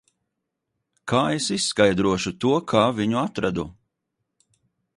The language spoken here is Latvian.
Kā es izskaidrošu to, kā viņu atradu?